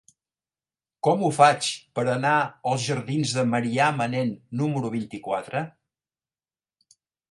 Com ho faig per anar als jardins de Marià Manent número vint-i-quatre?